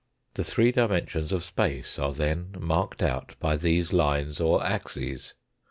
The three dimensions of space are then marked out^ by these lines or axes.